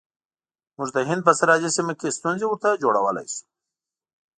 موږ د هند په سرحدي سیمو کې ستونزې ورته جوړولای شو.